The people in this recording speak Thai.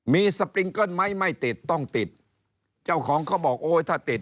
มีสปริงเกิ้ลไหมไม่ติดต้องติดเจ้าของเขาบอกโอ้ยถ้าติด